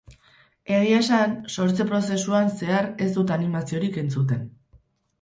Egia esan, sortze prozesuan zehar ez dut animaziorik entzuten.